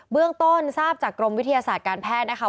เรื่องต้นทราบจากกรมวิทยาศาสตร์การแพทย์นะคะ